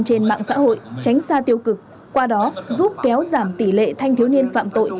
trên mạng xã hội tránh xa tiêu cực qua đó giúp kéo giảm tỷ lệ thanh thiếu niên phạm tội